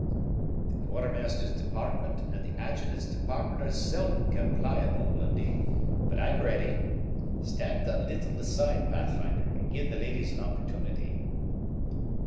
"The Quartermaster's department and the Adjutant's department are seldom compliable, Lundie; but I'm ready. Stand a little aside, Pathfinder, and give the ladies an opportunity."